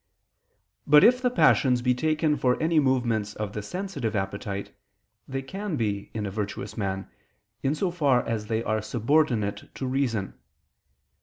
But if the passions be taken for any movements of the sensitive appetite, they can be in a virtuous man, in so far as they are subordinate to reason.